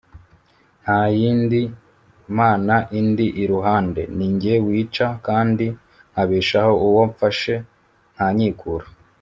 nta yindi mana indi iruhande, ni jye wica kandi nkabeshaho, uwo mfashe ntanyikura.